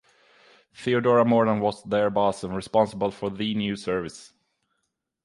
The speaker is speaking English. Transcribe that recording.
Theodora Morton was their boss and responsible for the new service.